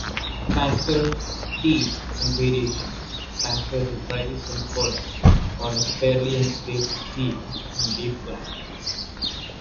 Fanfare, theme and variations, fanfare-reprise and coda, on a fairly unstable theme in B-flat.